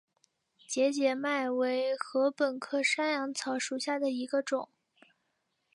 节节麦为禾本科山羊草属下的一个种。